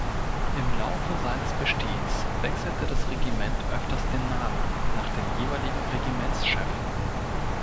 Im Laufe seines Bestehens wechselte das Regiment öfters den Namen nach dem jeweiligen Regimentschef.